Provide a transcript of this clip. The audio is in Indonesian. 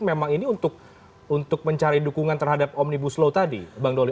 memang ini untuk mencari dukungan terhadap omnibus law tadi bang doli